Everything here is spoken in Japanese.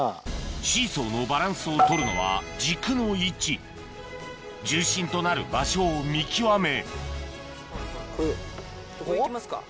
シーソーのバランスを取るのは軸の位置重心となる場所を見極め